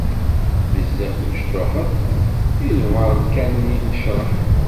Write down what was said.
Bezzaf mecṭuḥet lberka-nni n ccrab.